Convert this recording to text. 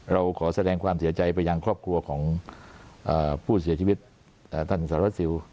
เราขอแสดงความเสียใจไปยังครอบครัวของผู้เสียชีวิตท่านสารวัสสิว